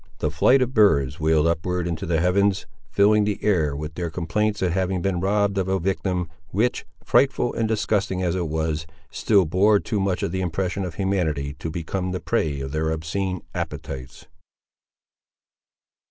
The flight of birds wheeled upward into the heavens, filling the air with their complaints at having been robbed of a victim which, frightful and disgusting as it was, still bore too much of the impression of humanity to become the prey of their obscene appetites.